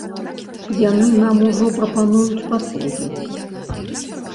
Яны нам ужо прапануюць паслугі.